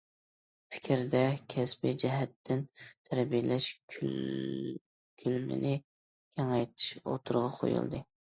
« پىكىر» دە، كەسپىي جەھەتتىن تەربىيەلەش كۆلىمىنى كېڭەيتىش ئوتتۇرىغا قويۇلدى.